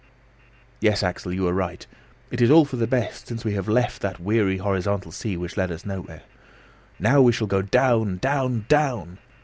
"Yes, Axel, you are right. It is all for the best, since we have left that weary, horizontal sea, which led us nowhere. Now we shall go down, down, down!